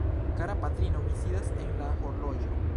Kara patrino, mi sidas en la horloĝo.